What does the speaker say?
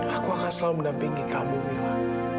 aku akan selalu mendampingi kamu mila